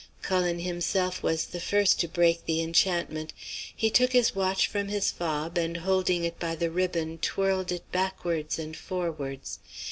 "Cullen himself was the first to break the enchantment. He took his watch from his fob and holding it by the ribbon twirled it backwards and forwards.